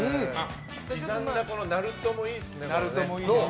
刻んだなるともいいですね。